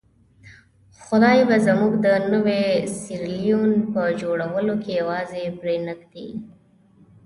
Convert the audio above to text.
خدای به موږ د نوي سیریلیون په جوړولو کې یوازې پرې نه ږدي.